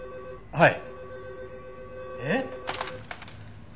はい？